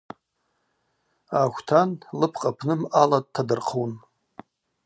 Аъахвтан лыпкъ апны мъала дтадырхъун.